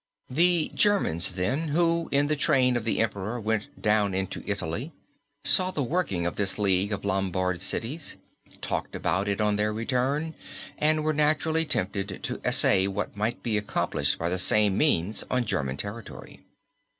The Germans then, who in the train of the Emperor went down into Italy saw the working of this League of Lombard cities, talked about it on their return, and were naturally tempted to essay what might be accomplished by the same means on German territory.